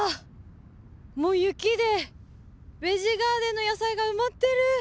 もう雪でベジ・ガーデンの野菜が埋まってる！